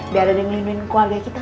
biar ada yang melindungi keluarga kita